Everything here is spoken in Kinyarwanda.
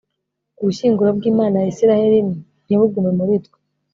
ubushyinguro bw'imana ya israheli ntibugume muri twe